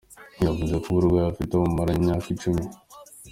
Yavuze ko uburwayi afite abumaranye imyaka icumi.